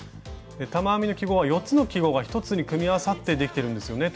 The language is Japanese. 玉編みの記号は４つの記号が１つに組み合わさってできてるんですよね